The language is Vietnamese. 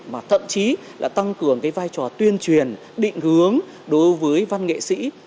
mà thậm chí là tăng cường cái vai trò tuyên truyền định hướng đối với văn nghệ sĩ